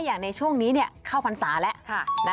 อย่างในช่วงนี้เข้าพรรษาแล้ว